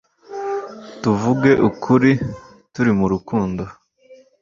tuvuge ukuri turi mu rukundo .